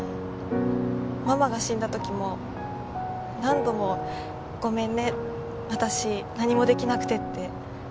ママが死んだ時も何度も「ごめんね私何もできなくて」って一緒に泣いてくれて。